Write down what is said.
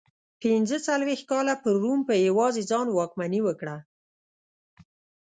پنځه څلوېښت کاله پر روم په یوازې ځان واکمني وکړه.